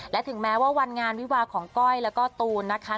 และถึงแม้ว่าวันงานวิวาของก้อยแล้วก็ตูนนะคะ